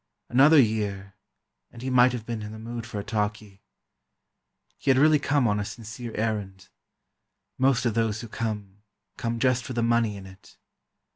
Another year, and he might have been in the mood for a talkie. He had really come on a sincere errand. Most of those who come, come just for the money in it.